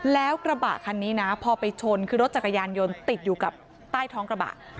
แล้วกระบะคันนี้นะพอไปชนคือรถจักรยานยนต์ติดอยู่กับใต้ท้องกระบะ